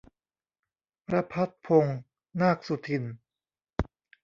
รภัสพงษ์ นาคสุทิน